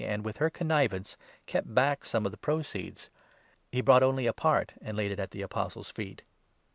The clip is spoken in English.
ancj) with her connivance, kept back some of the 2 proceeds. He brought only a part and laid it at the Apostles' feet.